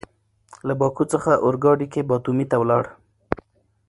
له باکو څخه اورګاډي کې باتومي ته ولاړ.